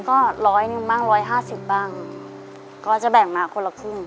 ก็ร้อยหนึ่งบ้างร้อยห้าสิบบ้างก็จะแบ่งมาคนละครึ่ง